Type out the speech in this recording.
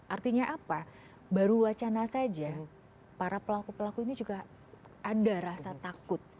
artinya apa baru wacana saja para pelaku pelaku ini juga ada rasa takut